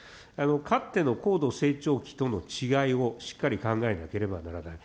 かつての行動成長期との違いをしっかり考えなければならない。